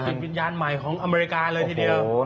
จิตวิญญาณใหม่ของอเมริกาเลยทีเดียว